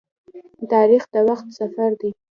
تاریخ د وخت سفر دی.